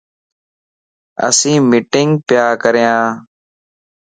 اسين مٽينگ پيا ڪريان